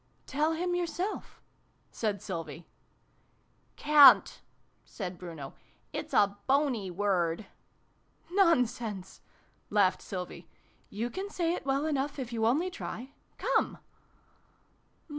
" Tell him yourself," said Sylvie. " Can't," said Bruno. " It's a bony word." " Nonsense !" laughed Sylvie. " You can say it well enough, if you only try. Come